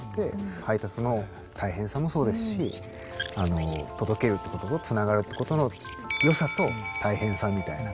配達の大変さもそうですし届けるということと繋がるということの良さと大変さみたいな。